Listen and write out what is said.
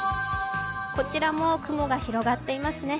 こちらも雲が広がっていますね。